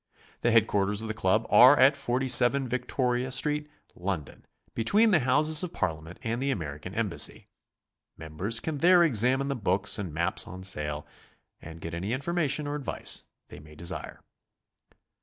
The Headquarters of the Club are at 47 Victoria St., London, be tween the Houses of Parliament and the American embassy. 90 GOING ABROAD? r Members can there examine the books and maps on sale, and get any information or advice they may desire.